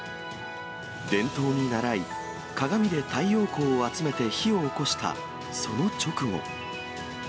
伝統にならい、鏡で太陽光を集めて火をおこしたその直後。